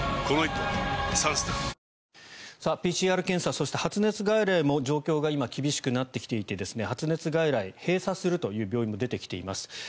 ＰＣＲ検査そして発熱外来も状況が今、厳しくなってきていて発熱外来、閉鎖するという病院も出てきています。